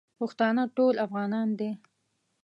پښتانه ټول افغانان دی